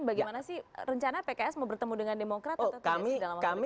bagaimana sih rencana pks mau bertemu dengan demokrat atau tri dalam hal hal yang lain